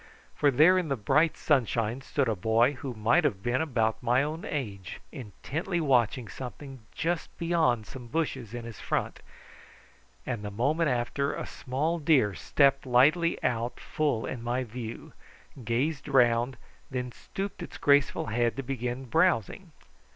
For there in the bright sunshine stood a boy who might have been about my own age intently watching something just beyond some bushes in his front, and the moment after a small deer stepped lightly out full in my view, gazed round, and then stooped its graceful head to begin browsing.